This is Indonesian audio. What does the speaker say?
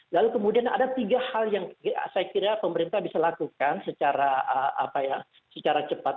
lalu kemudian ada tiga hal yang saya kira pemerintah bisa lakukan secara cepat